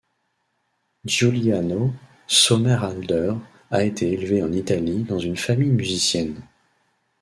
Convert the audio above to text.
Giuliano Sommerhalder a été élevé en Italie dans une famille musicienne.